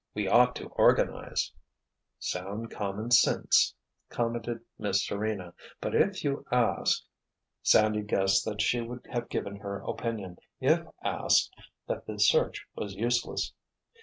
We ought to organize——" "Sound common sense," commented Miss Serena. "But if you ask——" Sandy guessed that she would have given her opinion, if asked, that the search was useless.